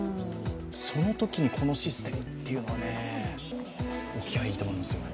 そのときにこのシステムっていうのは、いいと思いますよ。